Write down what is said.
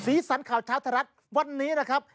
สีสันข่าวเช้าไทยรักษ์วันนี้นะครับ